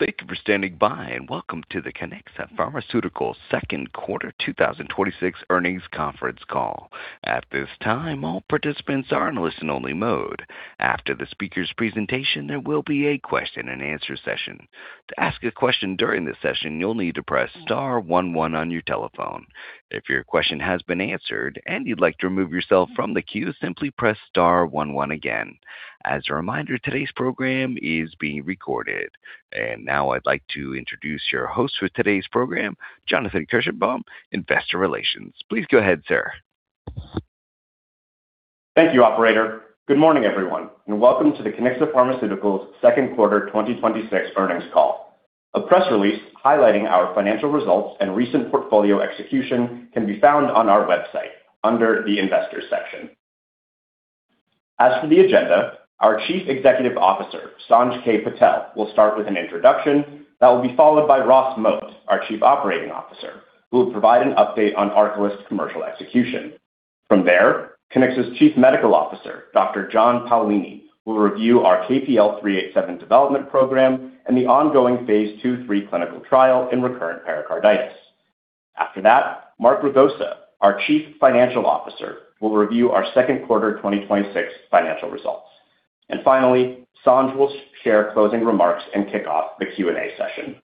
Thank you for standing by, and welcome to the Kiniksa Pharmaceuticals Q2 2026 earnings conference call. At this time, all participants are in listen only mode. After the speaker's presentation, there will be a question and answer session. To ask a question during the session, you will need to press star one one on your telephone. If your question has been answered and you would like to remove yourself from the queue, simply press star one one again. As a reminder, today's program is being recorded. Now I would like to introduce your host for today's program, Jonathan Kirshenbaum, Senior Manager of Investor Relations. Please go ahead, sir. Thank you, operator. Good morning, everyone, and welcome to the Kiniksa Pharmaceuticals Q2 2026 earnings call. A press release highlighting our financial results and recent portfolio execution can be found on our website under the investors section. As for the agenda, our Chief Executive Officer, Sanj K. Patel, will start with an introduction that will be followed by Ross Moat, our Chief Operating Officer, who will provide an update on ARCALYST commercial execution. From there, Kiniksa's Chief Medical Officer, Dr. John Paolini, will review our KPL-387 development program and the ongoing phase II/III clinical trial in recurrent pericarditis. After that, Mark Ragosa, our Chief Financial Officer, will review our Q2 2026 financial results. Finally, Sanj will share closing remarks and kick off the Q&A session.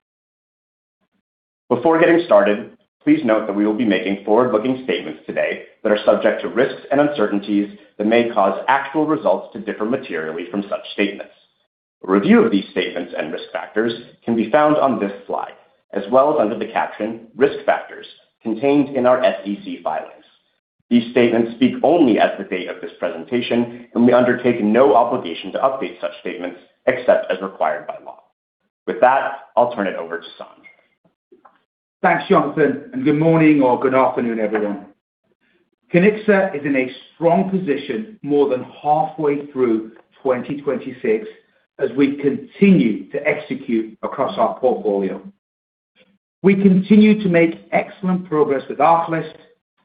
Before getting started, please note that we will be making forward-looking statements today that are subject to risks and uncertainties that may cause actual results to differ materially from such statements. A review of these statements and risk factors can be found on this slide, as well as under the caption Risk Factors contained in our SEC filings. These statements speak only as of the date of this presentation and we undertake no obligation to update such statements except as required by law. With that, I will turn it over to Sanj. Thanks, Jonathan. Good morning or good afternoon, everyone. Kiniksa is in a strong position more than halfway through 2026 as we continue to execute across our portfolio. We continue to make excellent progress with ARCALYST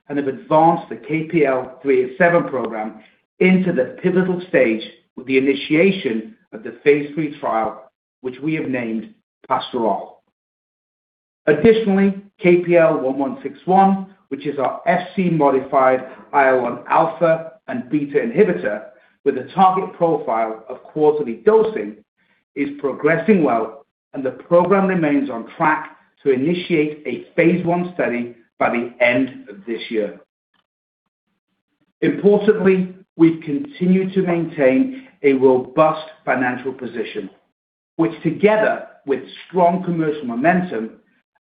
and have advanced the KPL-387 program into the pivotal stage with the initiation of the phase III trial, which we have named PASTEURAL. Additionally, KPL-1161, which is our Fc-modified IL-1 alpha and beta inhibitor with a target profile of quarterly dosing, is progressing well, and the program remains on track to initiate a phase I study by the end of this year. Importantly, we have continued to maintain a robust financial position, which together with strong commercial momentum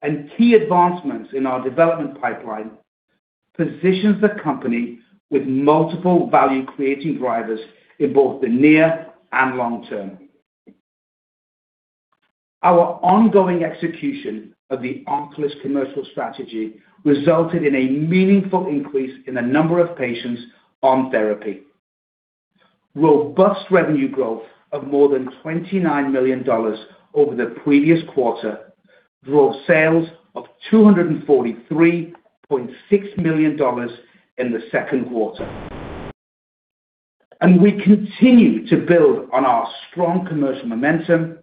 and key advancements in our development pipeline, positions the company with multiple value-creating drivers in both the near and long term. Our ongoing execution of the ARCALYST commercial strategy resulted in a meaningful increase in the number of patients on therapy. Robust revenue growth of more than $29 million over the previous quarter drove sales of $243.6 million in the Q2. We continue to build on our strong commercial momentum,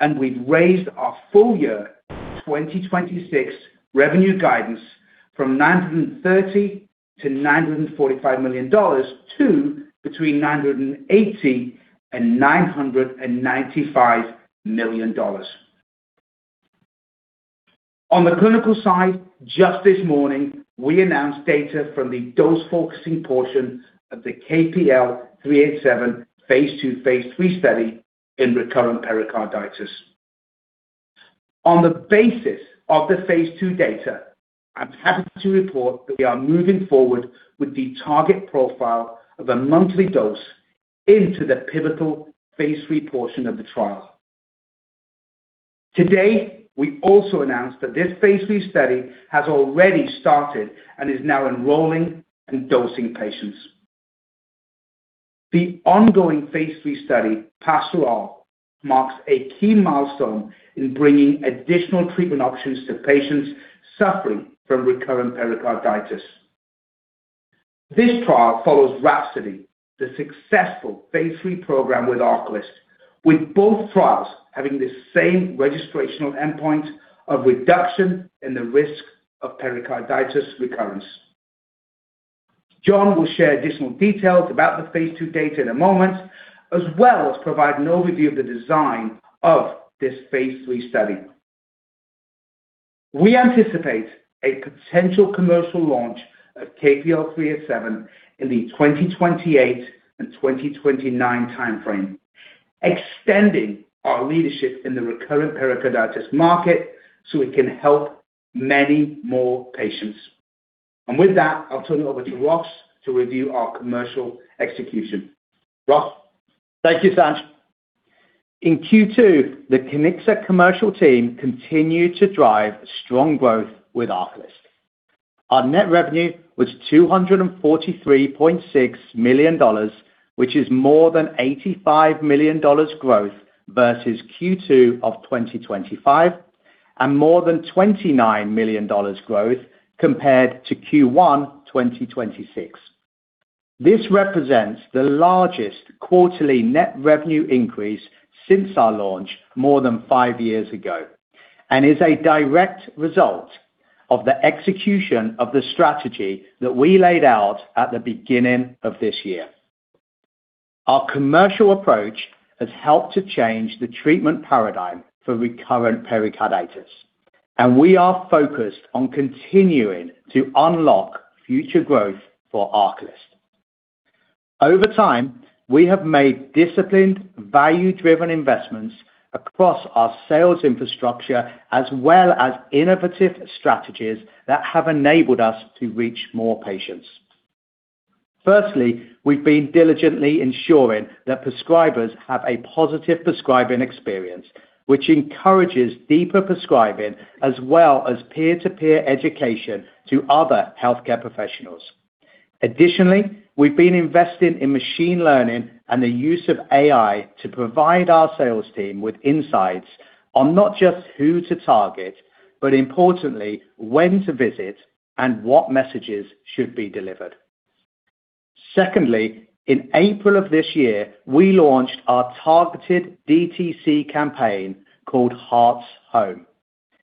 and we've raised our full year 2026 revenue guidance from $930 million-$945 million to between $980 million and $995 million. On the clinical side, just this morning, we announced data from the dose focusing portion of the KPL-387 phase II/phase III study in recurrent pericarditis. On the basis of the phase II data, I'm happy to report that we are moving forward with the target profile of a monthly dose into the pivotal phase III portion of the trial. Today, we also announced that this phase III study has already started and is now enrolling and dosing patients. The ongoing phase III study, PASTEURAL, marks a key milestone in bringing additional treatment options to patients suffering from recurrent pericarditis. This trial follows RHAPSODY, the successful phase III program with ARCALYST, with both trials having the same registrational endpoint of reduction in the risk of pericarditis recurrence. John will share additional details about the phase II data in a moment, as well as provide an overview of the design of this phase III study. We anticipate a potential commercial launch of KPL-387 in the 2028 and 2029 timeframe, extending our leadership in the recurrent pericarditis market so we can help many more patients. With that, I'll turn it over to Ross to review our commercial execution. Ross? Thank you, Sanj. In Q2, the Kiniksa commercial team continued to drive strong growth with ARCALYST. Our net revenue was $243.6 million, which is more than $85 million growth versus Q2 of 2025, and more than $29 million growth compared to Q1 2026. This represents the largest quarterly net revenue increase since our launch more than five years ago, and is a direct result of the execution of the strategy that we laid out at the beginning of this year. Our commercial approach has helped to change the treatment paradigm for recurrent pericarditis, and we are focused on continuing to unlock future growth for ARCALYST. Over time, we have made disciplined, value-driven investments across our sales infrastructure, as well as innovative strategies that have enabled us to reach more patients. Firstly, we've been diligently ensuring that prescribers have a positive prescribing experience, which encourages deeper prescribing as well as peer-to-peer education to other healthcare professionals. Additionally, we've been invested in machine learning and the use of AI to provide our sales team with insights on not just who to target, but importantly, when to visit and what messages should be delivered. Secondly, in April of this year, we launched our targeted DTC campaign called Heart's Home.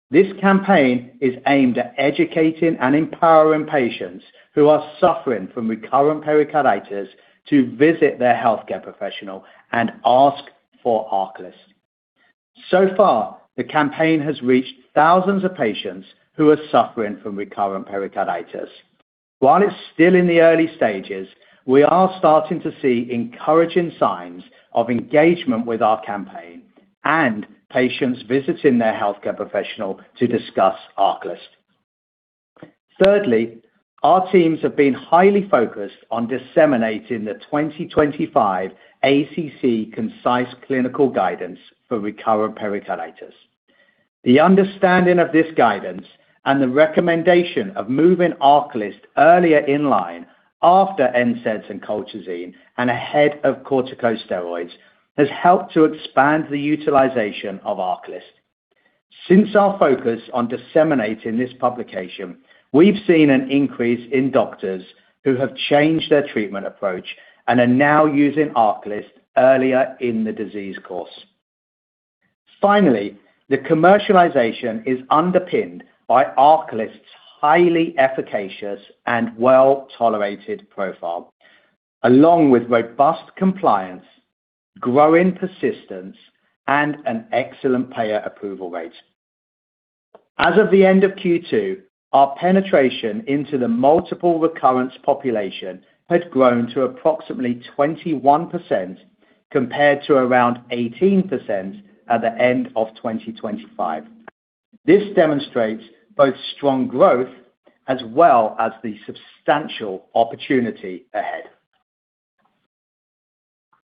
This campaign is aimed at educating and empowering patients who are suffering from recurrent pericarditis to visit their healthcare professional and ask for ARCALYST. So far, the campaign has reached thousands of patients who are suffering from recurrent pericarditis. While it's still in the early stages, we are starting to see encouraging signs of engagement with our campaign and patients visiting their healthcare professional to discuss ARCALYST. Thirdly, our teams have been highly focused on disseminating the 2025 ACC Concise Clinical Guidance for Recurrent Pericarditis. The understanding of this guidance and the recommendation of moving ARCALYST earlier in line after NSAIDs and colchicine and ahead of corticosteroids, has helped to expand the utilization of ARCALYST. Since our focus on disseminating this publication, we've seen an increase in doctors who have changed their treatment approach and are now using ARCALYST earlier in the disease course. Finally, the commercialization is underpinned by ARCALYST's highly efficacious and well-tolerated profile, along with robust compliance, growing persistence, and an excellent payer approval rate. As of the end of Q2, our penetration into the multiple recurrence population had grown to approximately 21%, compared to around 18% at the end of 2025. This demonstrates both strong growth as well as the substantial opportunity ahead.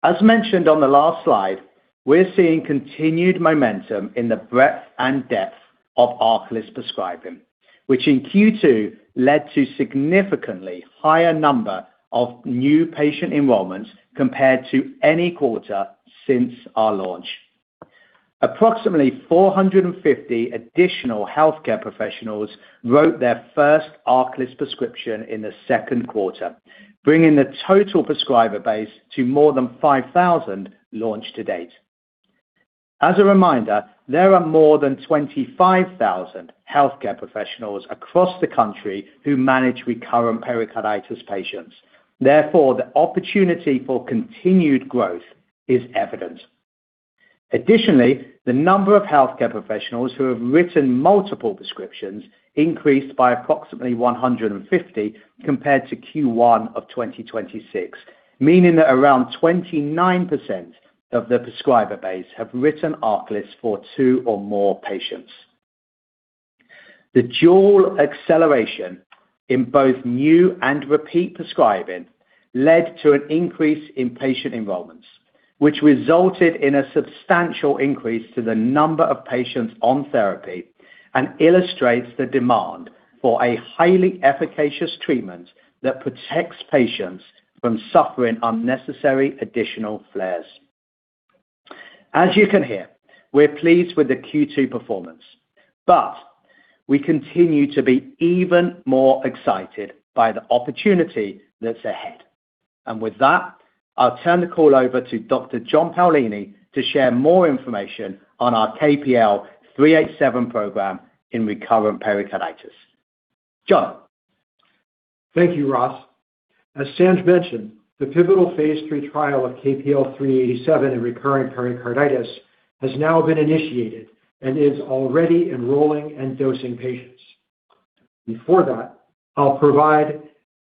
As mentioned on the last slide, we're seeing continued momentum in the breadth and depth of ARCALYST prescribing, which in Q2 led to significantly higher number of new patient enrollments compared to any quarter since our launch. Approximately 450 additional healthcare professionals wrote their first ARCALYST prescription in the Q2, bringing the total prescriber base to more than 5,000 launch to date. As a reminder, there are more than 25,000 healthcare professionals across the country who manage recurrent pericarditis patients. Therefore, the opportunity for continued growth is evident. Additionally, the number of healthcare professionals who have written multiple prescriptions increased by approximately 150 compared to Q1 of 2026, meaning that around 29% of the prescriber base have written ARCALYST for two or more patients. The dual acceleration in both new and repeat prescribing led to an increase in patient enrollments, which resulted in a substantial increase to the number of patients on therapy, and illustrates the demand for a highly efficacious treatment that protects patients from suffering unnecessary additional flares. As you can hear, we're pleased with the Q2 performance, but we continue to be even more excited by the opportunity that's ahead. With that, I'll turn the call over to Dr. John Paolini to share more information on our KPL-387 program in recurrent pericarditis. John. Thank you, Ross. As Sanj mentioned, the pivotal phase III trial of KPL-387 in recurrent pericarditis has now been initiated and is already enrolling and dosing patients. Before that, I'll provide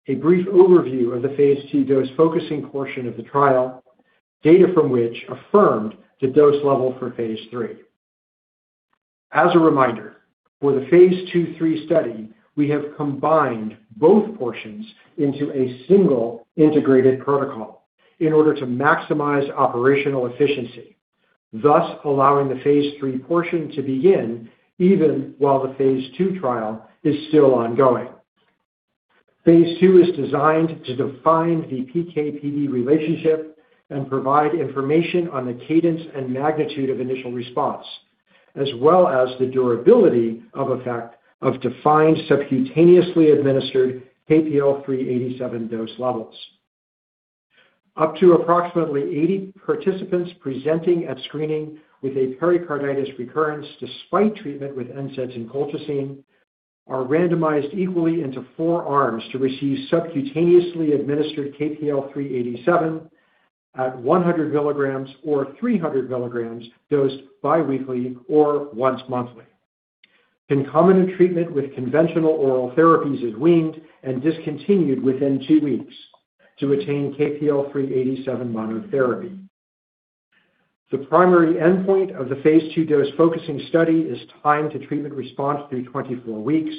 a brief overview of the phase II dose-focusing portion of the trial, data from which affirmed the dose level for phase III. As a reminder, for the phase II/III study, we have combined both portions into a single integrated protocol in order to maximize operational efficiency, thus allowing the phase III portion to begin even while the phase II trial is still ongoing. Phase II is designed to define the PK/PD relationship and provide information on the cadence and magnitude of initial response as well as the durability of effect of defined subcutaneously administered KPL-387 dose levels. Up to approximately 80 participants presenting at screening with a pericarditis recurrence despite treatment with NSAIDs and colchicine are randomized equally into four arms to receive subcutaneously administered KPL-387 at 100 milligrams or 300 milligrams dosed biweekly or once monthly. Concomitant treatment with conventional oral therapies is weaned and discontinued within two weeks to attain KPL-387 monotherapy. The primary endpoint of the phase II dose-focusing study is time to treatment response through 24 weeks,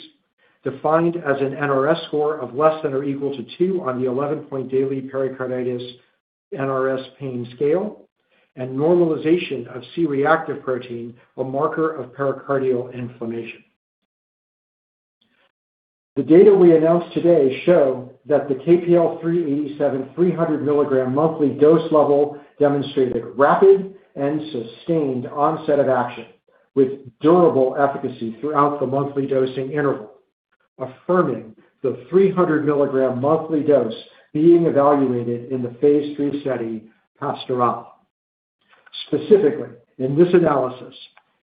defined as an NRS score of less than or equal to two on the 11-point daily pericarditis NRS pain scale and normalization of C-reactive protein, a marker of pericardial inflammation. The data we announced today show that the KPL-387 300-mg monthly dose level demonstrated rapid and sustained onset of action with durable efficacy throughout the monthly dosing interval, affirming the 300-mg monthly dose being evaluated in the phase III study, PASTEURAL. Specifically, in this analysis,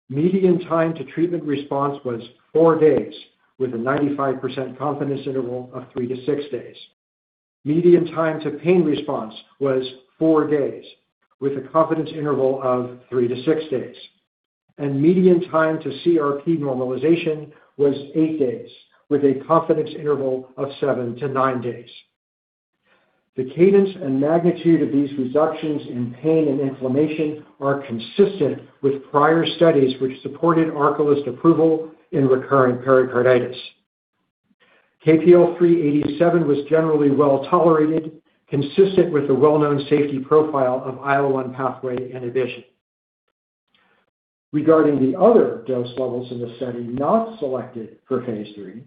median time to treatment response was four days with a 95% confidence interval of three - six days. Median time to pain response was four days with a confidence interval of three - six days, and median time to CRP normalization was eight days with a confidence interval of seven - nine days. The cadence and magnitude of these reductions in pain and inflammation are consistent with prior studies which supported ARCALYST approval in recurrent pericarditis. KPL-387 was generally well-tolerated, consistent with the well-known safety profile of IL-1 pathway inhibition. Regarding the other dose levels in the study not selected for phase III,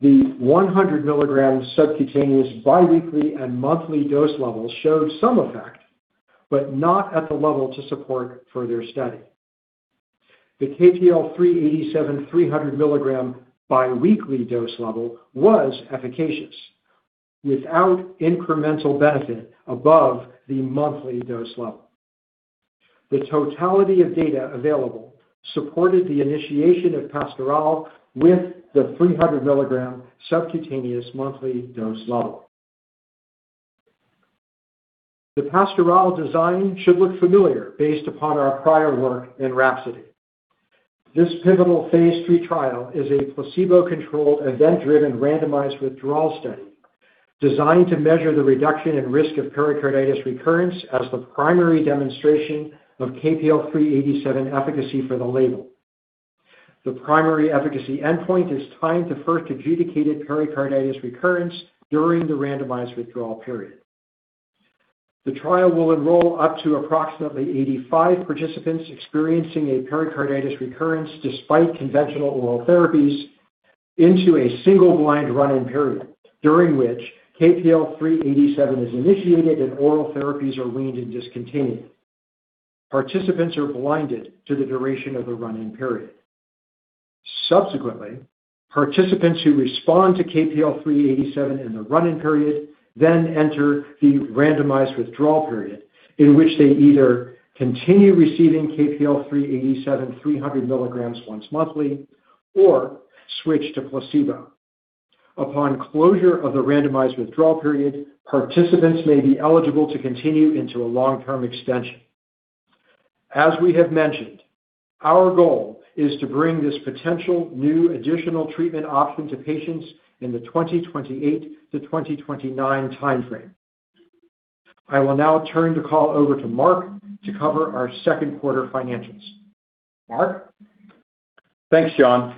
the 100-mg subcutaneous biweekly and monthly dose levels showed some effect, but not at the level to support further study. The KPL-387 300-mg biweekly dose level was efficacious without incremental benefit above the monthly dose level. The totality of data available supported the initiation of PASTEURAL with the 300-mg subcutaneous monthly dose level. The PASTEURAL design should look familiar based upon our prior work in RHAPSODY. This pivotal phase III trial is a placebo-controlled, event-driven, randomized withdrawal study designed to measure the reduction in risk of pericarditis recurrence as the primary demonstration of KPL-387 efficacy for the label. The primary efficacy endpoint is time to first adjudicated pericarditis recurrence during the randomized withdrawal period. The trial will enroll up to approximately 85 participants experiencing a pericarditis recurrence despite conventional oral therapies into a single blind run-in period, during which KPL-387 is initiated, and oral therapies are weaned and discontinued. Participants are blinded to the duration of the run-in period. Subsequently, participants who respond to KPL-387 in the run-in period then enter the randomized withdrawal period in which they either continue receiving KPL-387 300 milligrams once monthly or switch to placebo. Upon closure of the randomized withdrawal period, participants may be eligible to continue into a long-term extension. As we have mentioned, our goal is to bring this potential new additional treatment option to patients in the 2028 - 2029 timeframe. I will now turn the call over to Mark to cover our Q2 financials. Mark? Thanks, John.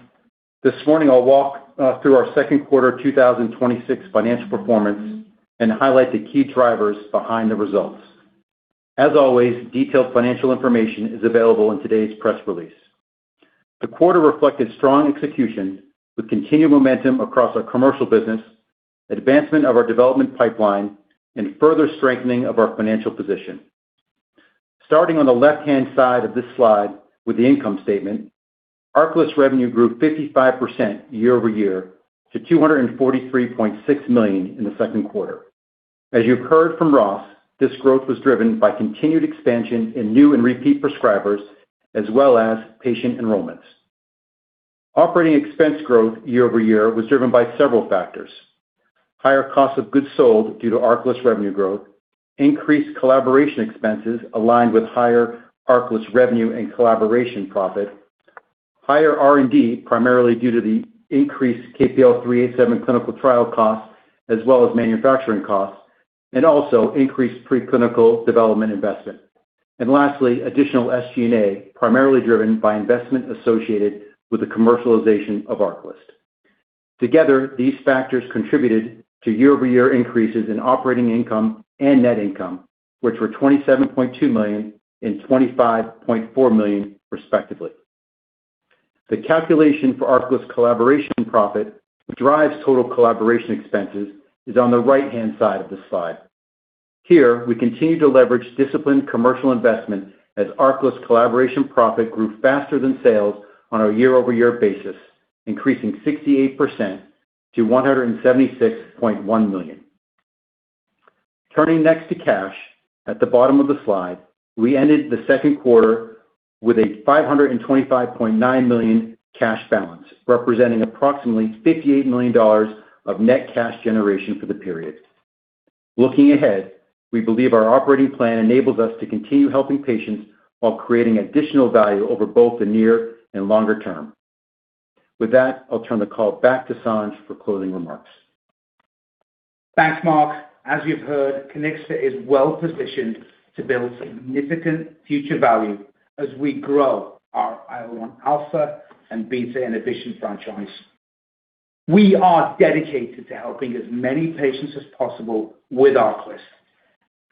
This morning, I'll walk us through our Q2 2026 financial performance and highlight the key drivers behind the results. As always, detailed financial information is available in today's press release. The quarter reflected strong execution with continued momentum across our commercial business, advancement of our development pipeline, and further strengthening of our financial position. Starting on the left-hand side of this slide with the income statement, ARCALYST revenue grew 55% year-over-year to $243.6 million in the Q2. As you heard from Ross, this growth was driven by continued expansion in new and repeat prescribers as well as patient enrollments. Operating expense growth year-over-year was driven by several factors. Higher cost of goods sold due to ARCALYST revenue growth, increased collaboration expenses aligned with higher ARCALYST revenue and collaboration profit, higher R&D, primarily due to the increased KPL-387 clinical trial costs as well as manufacturing costs, also increased preclinical development investment. Lastly, additional SG&A, primarily driven by investment associated with the commercialization of ARCALYST. Together, these factors contributed to year-over-year increases in operating income and net income, which were $27.2 million and $25.4 million, respectively. The calculation for ARCALYST collaboration profit drives total collaboration expenses is on the right-hand side of the slide. Here, we continue to leverage disciplined commercial investment as ARCALYST collaboration profit grew faster than sales on a year-over-year basis, increasing 68% to $176.1 million. Turning next to cash, at the bottom of the slide, we ended the Q2 with a $525.9 million cash balance, representing approximately $58 million of net cash generation for the period. Looking ahead, we believe our operating plan enables us to continue helping patients while creating additional value over both the near and longer term. With that, I'll turn the call back to Sanj for closing remarks. Thanks, Mark. As you've heard, Kiniksa is well-positioned to build significant future value as we grow our IL-1 alpha and beta inhibition franchise. We are dedicated to helping as many patients as possible with ARCALYST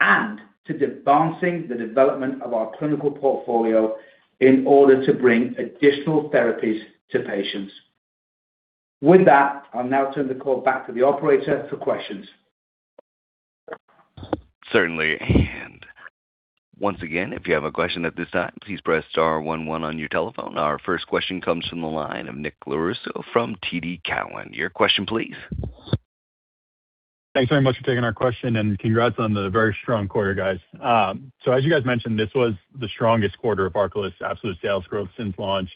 and to advancing the development of our clinical portfolio in order to bring additional therapies to patients. With that, I'll now turn the call back to the operator for questions. Certainly. Once again, if you have a question at this time, please press star one one on your telephone. Our first question comes from the line of Nicholas Lorusso from TD Cowen. Your question please. Thanks very much for taking our question, congrats on the very strong quarter, guys. As you guys mentioned, this was the strongest quarter of ARCALYST absolute sales growth since launch.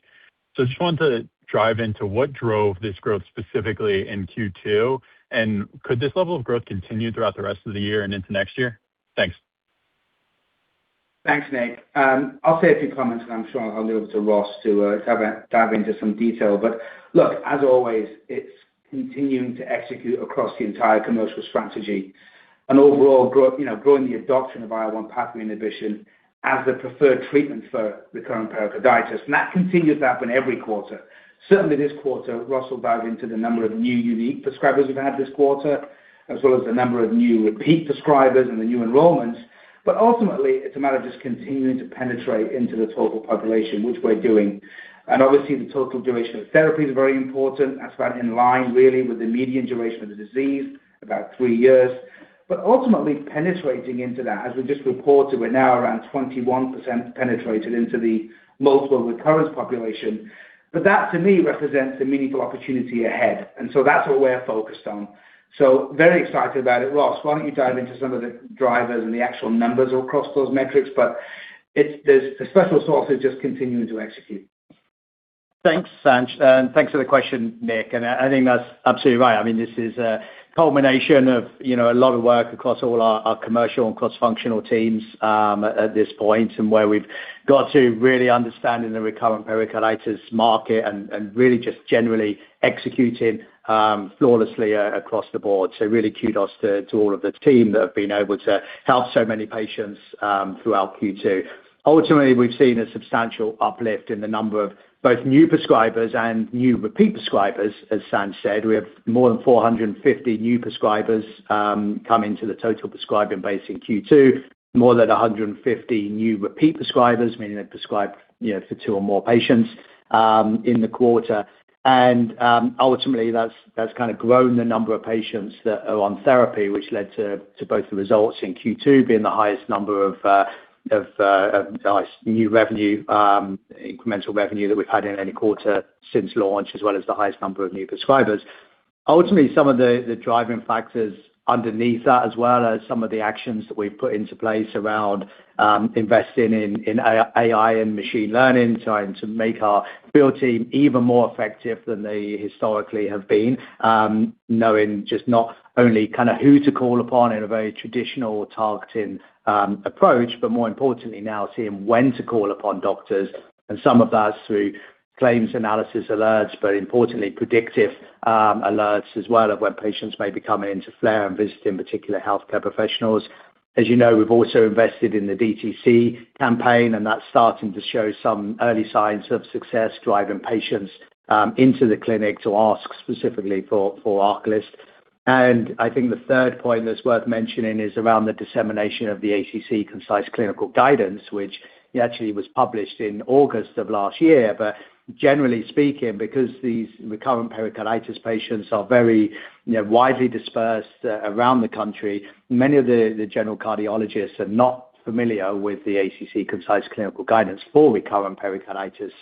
Just wanted to dive into what drove this growth specifically in Q2, could this level of growth continue throughout the rest of the year and into next year? Thanks. Thanks, Nick. I'll say a few comments, I'm sure I'll leave it to Ross to dive into some detail. Look, as always, it's continuing to execute across the entire commercial strategy and overall growing the adoption of IL-1 pathway inhibition as the preferred treatment for recurrent pericarditis. That continues to happen every quarter. Certainly, this quarter, Ross will dive into the number of new unique prescribers we've had this quarter, as well as the number of new repeat prescribers and the new enrollments. Ultimately, it's a matter of just continuing to penetrate into the total population, which we're doing. Obviously, the total duration of therapy is very important. That's about in line really with the median duration of the disease, about three years. Ultimately penetrating into that. As we just reported, we're now around 21% penetrated into the multiple recurrence population. That to me represents a meaningful opportunity ahead, that's what we're focused on. Very excited about it. Ross, why don't you dive into some of the drivers and the actual numbers across those metrics, the special sauce is just continuing to execute. Thanks, Sanj, thanks for the question, Nick. I think that's absolutely right. This is a culmination of a lot of work across all our commercial and cross-functional teams at this point, and where we've got to really understanding the recurrent pericarditis market and really just generally executing flawlessly across the board. Really kudos to all of the team that have been able to help so many patients throughout Q2. Ultimately, we've seen a substantial uplift in the number of both new prescribers and new repeat prescribers. As Sanj said, we have more than 450 new prescribers come into the total prescribing base in Q2, more than 150 new repeat prescribers, meaning they've prescribed for two or more patients in the quarter. Ultimately, that's grown the number of patients that are on therapy, which led to both the results in Q2 being the highest number of nice new revenue, incremental revenue that we've had in any quarter since launch, as well as the highest number of new prescribers. Ultimately, some of the driving factors underneath that, as well as some of the actions that we've put into place around investing in AI and machine learning, trying to make our field team even more effective than they historically have been. Knowing just not only who to call upon in a very traditional targeting approach, but more importantly now seeing when to call upon doctors and some of that is through claims analysis alerts, but importantly predictive alerts as well of when patients may be coming into flare and visiting particular healthcare professionals. As you know, we've also invested in the DTC campaign, that's starting to show some early signs of success, driving patients into the clinic to ask specifically for ARCALYST. I think the third point that's worth mentioning is around the dissemination of the ACC Concise Clinical Guidance, which actually was published in August of last year. Generally speaking, because these recurrent pericarditis patients are very widely dispersed around the country, many of the general cardiologists are not familiar with the ACC Concise Clinical Guidance for recurrent Pericarditis.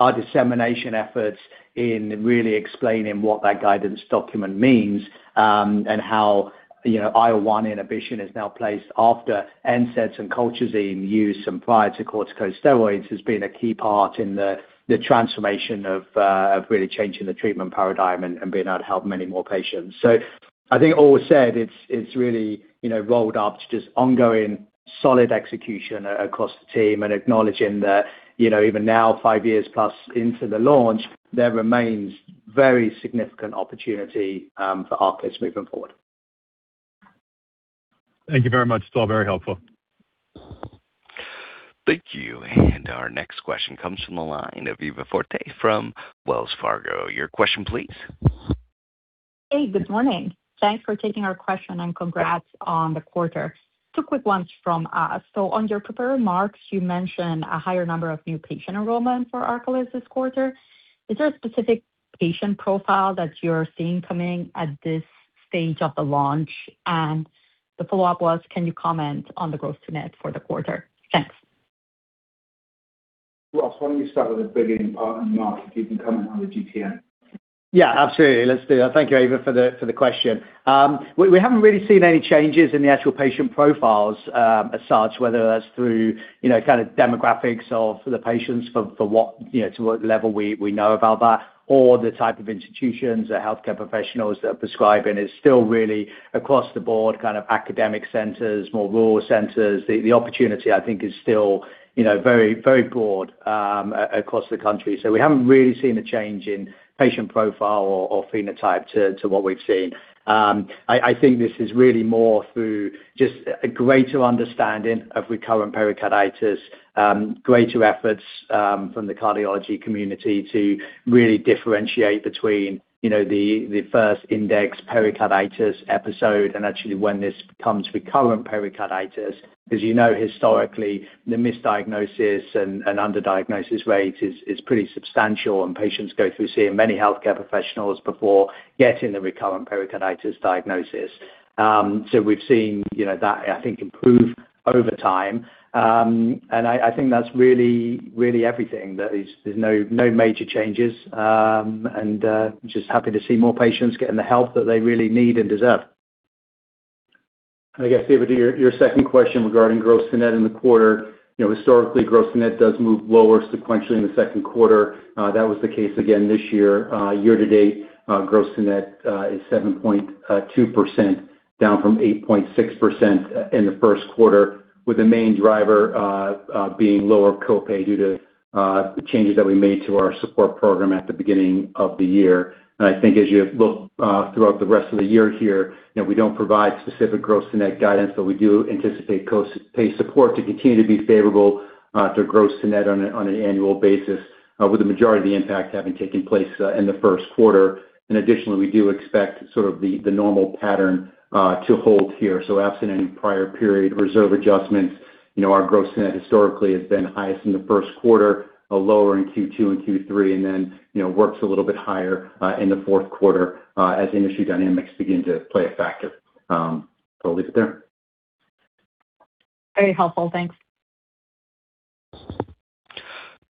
Our dissemination efforts in really explaining what that guidance document means, and how IL-1 inhibition is now placed after NSAIDs and colchicine use and prior to corticosteroids, has been a key part in the transformation of really changing the treatment paradigm and being able to help many more patients. I think all said, it's really rolled up to just ongoing solid execution across the team and acknowledging that even now, five years plus into the launch, there remains very significant opportunity for ARCALYST moving forward. Thank you very much. It's all very helpful. Thank you. Our next question comes from the line of Eva Fortea from Wells Fargo. Your question, please. Hey, good morning. Thanks for taking our question and congrats on the quarter. Two quick ones from us. On your prepared remarks, you mentioned a higher number of new patient enrollment for ARCALYST this quarter. Is there a specific patient profile that you're seeing coming at this stage of the launch? The follow-up was, can you comment on the gross to net for the quarter? Thanks. Ross, why don't you start with the beginning part on Mark, if you can comment on the Go-To-Market? Yeah, absolutely. Let's do that. Thank you, Eva, for the question. We haven't really seen any changes in the actual patient profiles as such, whether that's through kind of demographics of the patients to what level we know about that or the type of institutions or healthcare professionals that are prescribing. It's still really across the board, kind of academic centers, more rural centers. The opportunity, I think, is still very broad across the country. We haven't really seen a change in patient profile or phenotype to what we've seen. I think this is really more through just a greater understanding of recurrent pericarditis, greater efforts from the cardiology community to really differentiate between the first index pericarditis episode and actually when this becomes recurrent pericarditis. You know, historically, the misdiagnosis and underdiagnosis rate is pretty substantial, and patients go through seeing many healthcare professionals before getting the recurrent pericarditis diagnosis. We've seen that, I think, improve over time. I think that's really everything. That there's no major changes and just happy to see more patients getting the help that they really need and deserve. I guess, David, your second question regarding gross to net in the quarter. Historically, gross to net does move lower sequentially in the Q2. That was the case again this year. Year to date, gross to net is 7.2%, down from 8.6% in the Q1, with the main driver being lower co-pay due to the changes that we made to our support program at the beginning of the year. I think as you look throughout the rest of the year here, we don't provide specific gross to net guidance, but we do anticipate co-pay support to continue to be favorable to gross to net on an annual basis, with the majority of the impact having taken place in the Q1. Additionally, we do expect sort of the normal pattern to hold here. Absent any prior period reserve adjustments, our gross to net historically has been highest in the Q1, lower in Q2 and Q3, then works a little bit higher in the Q4 as industry dynamics begin to play a factor. I'll leave it there. Very helpful. Thanks.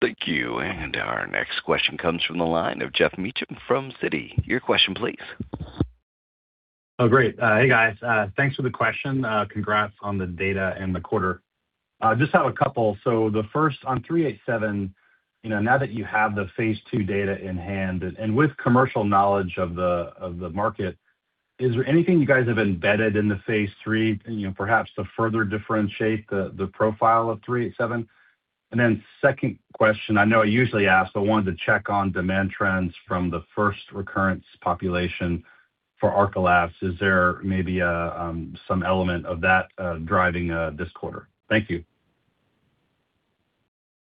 Thank you. Our next question comes from the line of Geoff Meacham from Citi. Your question, please. Great. Hey, guys. Thanks for the question. Congrats on the data and the quarter. Just have a couple. The first on 387, now that you have the phase II data in hand and with commercial knowledge of the market, is there anything you guys have embedded in the phase III, perhaps to further differentiate the profile of 387? Then second question I know I usually ask, but wanted to check on demand trends from the first recurrence population for ARCALYST. Is there maybe some element of that driving this quarter? Thank you.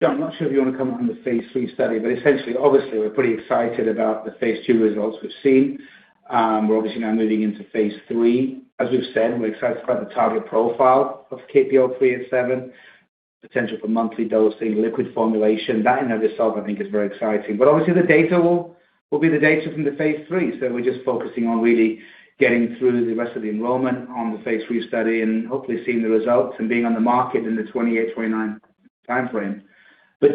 John Paolini, I'm not sure if you want to comment on the phase III study. Essentially, obviously, we're pretty excited about the phase II results we've seen. We're obviously now moving into phase III. As we've said, we're excited about the target profile of KPL-387, potential for monthly dosing, liquid formulation. That in and of itself, I think is very exciting. Obviously, the data will be the data from the phase III. We're just focusing on really getting through the rest of the enrollment on the phase III study and hopefully seeing the results and being on the market in the 2028, 2029 time frame.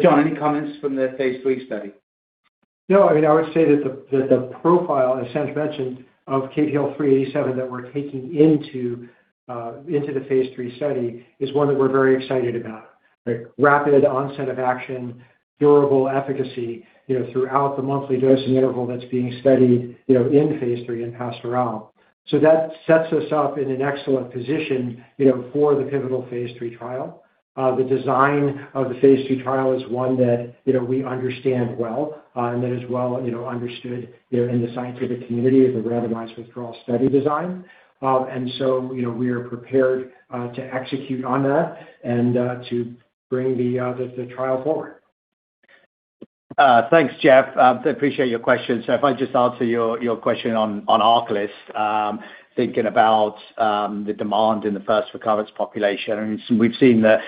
John Paolini, any comments from the phase III study? No. I would say that the profile, as Andrew mentioned, of KPL-387 that we're taking into the phase III study is one that we're very excited about. Rapid onset of action, durable efficacy throughout the monthly dosing interval that's being studied in phase III in PASTEURAL. That sets us up in an excellent position for the pivotal phase III trial. The design of the phase III trial is one that we understand well and that is well understood in the scientific community as a randomized withdrawal study design. We are prepared to execute on that and to bring the trial forward. Thanks, Geoff. Appreciate your question. If I just answer your question on ARCALYST, thinking about the demand in the first recurrence population, we've seen that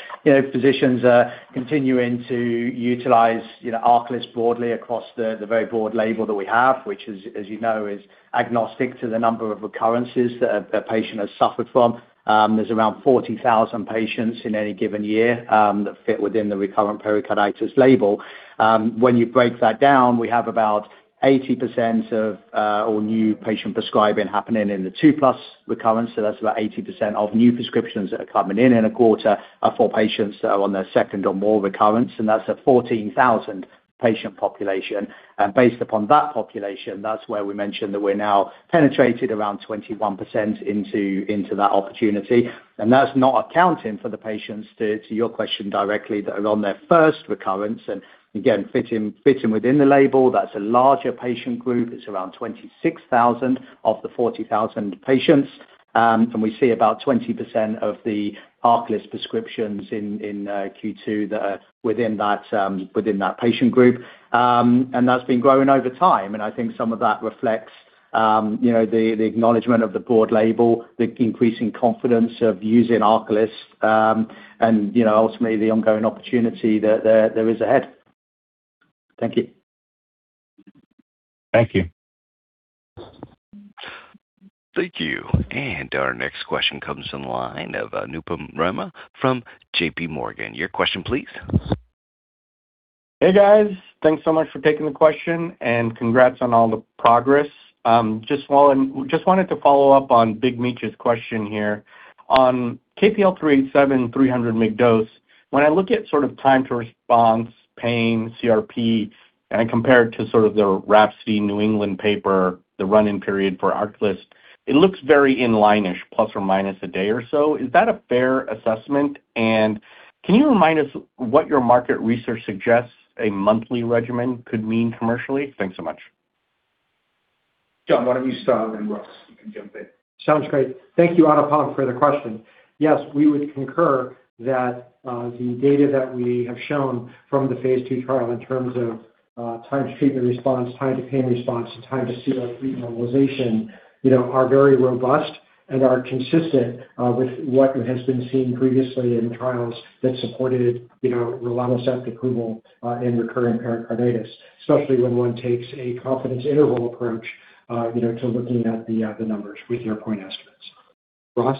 physicians are continuing to utilize ARCALYST broadly across the very broad label that we have. Which is, as you know, is agnostic to the number of recurrences that a patient has suffered from. There's around 40,000 patients in any given year that fit within the recurrent pericarditis label. When you break that down, we have about 80% of all new patient prescribing happening in the two plus recurrence. That's about 80% of new prescriptions that are coming in in a quarter are for patients that are on their second or more recurrence. That's a 14,000 patient population. Based upon that population, that's where we mentioned that we're now penetrated around 21% into that opportunity. That's not accounting for the patients to your question directly, that are on their first recurrence. Again, fitting within the label, that's a larger patient group. It's around 26,000 of the 40,000 patients. We see about 20% of the ARCALYST prescriptions in Q2 that are within that patient group. That's been growing over time, and I think some of that reflects the acknowledgement of the broad label, the increasing confidence of using ARCALYST, and ultimately the ongoing opportunity that there is ahead. Thank you. Thank you. Thank you. Our next question comes from the line of Anupam Sharma from JPMorgan. Your question please. Hey, guys. Thanks so much for taking the question, and congrats on all the progress. Just wanted to follow up on Geoff Meacham's question here. On KPL-387 300 mg dose, when I look at time to response, pain, CRP, I compare it to the RHAPSODY New England Journal of Medicine paper, the run-in period for ARCALYST, it looks very in line-ish, ± a day or so. Is that a fair assessment? Can you remind us what your market research suggests a monthly regimen could mean commercially? Thanks so much. John, why don't you start, Ross, you can jump in. Sounds great. Thank you, Anupam, for the question. Yes, we would concur that the data that we have shown from the phase II trial in terms of time to treatment response, time to pain response, and time to CRP normalization are very robust and are consistent with what has been seen previously in trials that supported rilonacept approval in recurrent pericarditis, especially when one takes a confidence interval approach to looking at the numbers with your point estimates. Ross?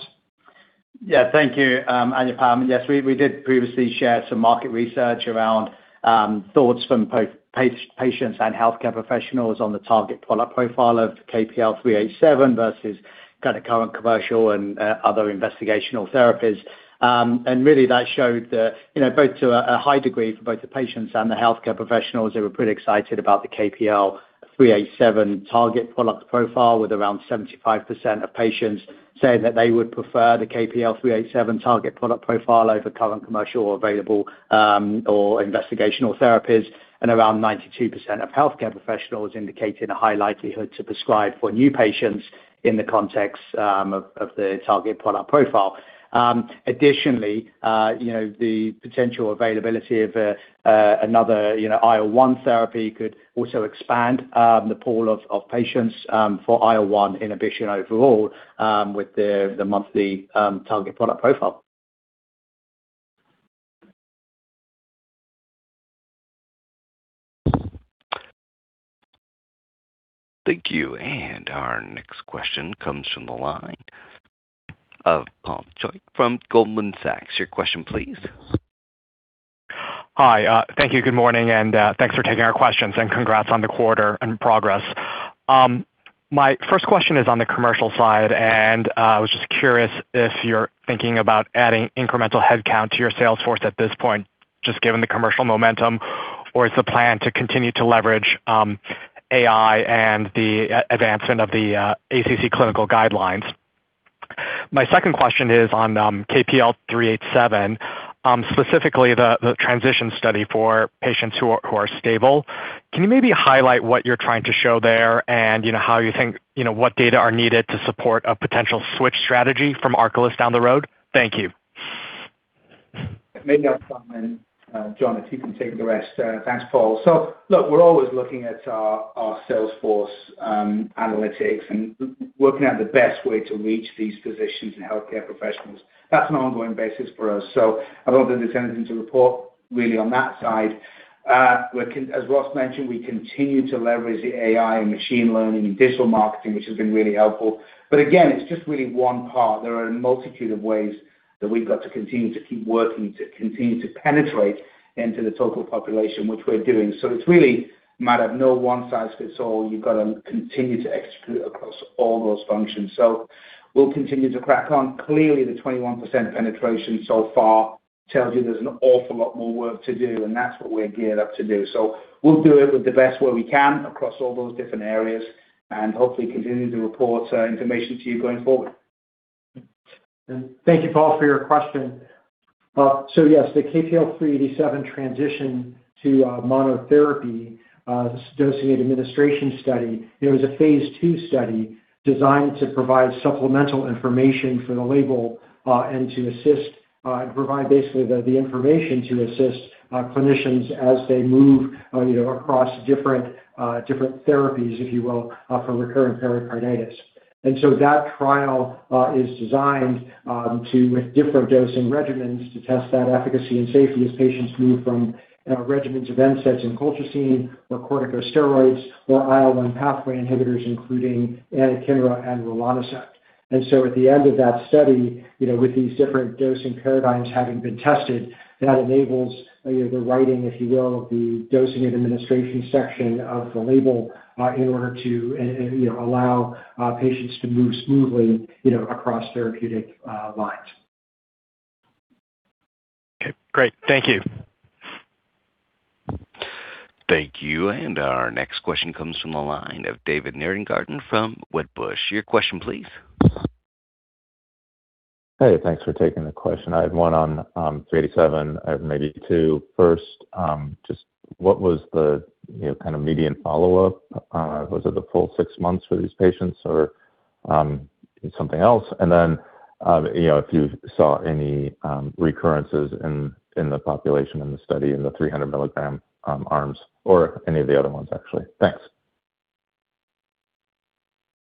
Yeah. Thank you, Anupam. Yes, we did previously share some market research around thoughts from both patients and healthcare professionals on the target product profile of KPL-387 versus current commercial and other investigational therapies. Really that showed that both to a high degree for both the patients and the healthcare professionals, they were pretty excited about the KPL-387 target product profile, with around 75% of patients saying that they would prefer the KPL-387 target product profile over current commercial or available or investigational therapies. Additionally, around 92% of healthcare professionals indicated a high likelihood to prescribe for new patients in the context of the target product profile. Additionally, the potential availability of another IL-1 therapy could also expand the pool of patients for IL-1 inhibition overall with the monthly target product profile. Thank you. Our next question comes from the line of Paul Choi from Goldman Sachs. Your question please. Hi. Thank you. Good morning, thanks for taking our questions, and congrats on the quarter and progress. My first question is on the commercial side, I was just curious if you're thinking about adding incremental headcount to your sales force at this point, just given the commercial momentum, or is the plan to continue to leverage AI and the advancement of the ACC clinical guidelines? My second question is on KPL-387, specifically the transition study for patients who are stable. Can you maybe highlight what you're trying to show there and what data are needed to support a potential switch strategy from ARCALYST down the road? Thank you. Maybe I'll start, John, if you can take the rest. Thanks, Paul. Look, we're always looking at our sales force analytics and working out the best way to reach these physicians and healthcare professionals. That's an ongoing basis for us. I don't think there's anything to report really on that side. As Ross mentioned, we continue to leverage the AI and machine learning and digital marketing, which has been really helpful. Again, it's just really one part. There are a multitude of ways that we've got to continue to keep working to continue to penetrate into the total population, which we're doing. It's really a matter of no one size fits all. You've got to continue to execute across all those functions. We'll continue to crack on. Clearly, the 21% penetration so far tells you there's an awful lot more work to do, and that's what we're geared up to do. We'll do it with the best way we can across all those different areas and hopefully continue to report information to you going forward. Thank you, Paul, for your question. Yes, the KPL-387 transition to monotherapy dosing and administration study. It was a phase II study designed to provide supplemental information for the label and to provide basically the information to assist clinicians as they move across different therapies, if you will, for recurrent pericarditis. That trial is designed to, with different dosing regimens, to test that efficacy and safety as patients move from regimens of NSAIDs and colchicine or corticosteroids or IL-1 pathway inhibitors, including anakinra and rilonacept. At the end of that study, with these different dosing paradigms having been tested, that enables the writing, if you will, of the dosing and administration section of the label in order to allow patients to move smoothly across therapeutic lines. Okay, great. Thank you. Thank you. Our next question comes from the line of David Nierengarten from Wedbush. Your question please. Hey, thanks for taking the question. I have one on 387. I have maybe two. First, just what was the kind of median follow-up? Was it the full six months for these patients or something else? If you saw any recurrences in the population in the study in the 300 milligram arms or any of the other ones actually. Thanks.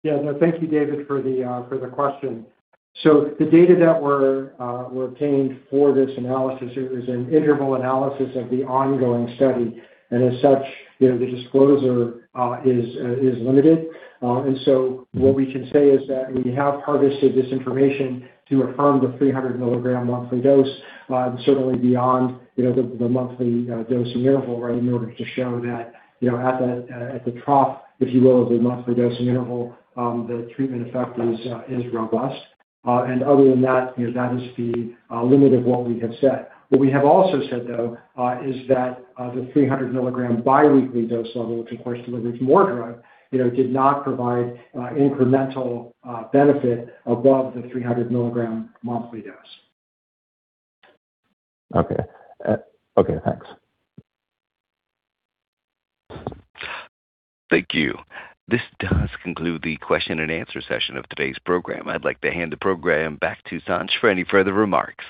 Yeah. No, thank you, David, for the question. The data that were obtained for this analysis, it was an interval analysis of the ongoing study, and as such, the disclosure is limited. What we can say is that we have harvested this information to affirm the 300 mg monthly dose, certainly beyond the monthly dosing interval, right, in order to show that at the trough, if you will, of the monthly dosing interval, the treatment effect is robust. Other than that is the limit of what we have said. What we have also said, though, is that the 300 mg biweekly dose level, which of course delivers more drug, did not provide incremental benefit above the 300 mg monthly dose. Okay. Thanks. Thank you. This does conclude the question and answer session of today's program. I'd like to hand the program back to Sanj for any further remarks.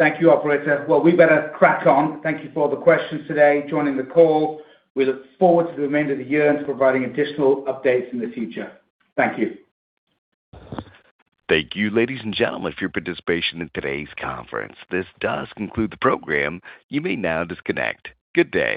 Thank you, operator. Well, we better crack on. Thank you for all the questions today, joining the call. We look forward to the remainder of the year and to providing additional updates in the future. Thank you. Thank you, ladies and gentlemen, for your participation in today's conference. This does conclude the program. You may now disconnect. Good day